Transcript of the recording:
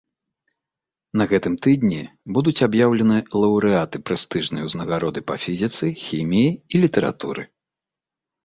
На гэтым тыдні будуць аб'яўлены лаўрэаты прэстыжнай узнагароды па фізіцы, хіміі і літаратуры.